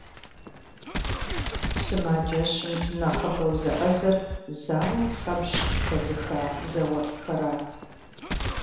Сымаджэщым нэхъыбэу зэӀэзэр зауэм фэбжь хэзыха зауэлӀхэрат.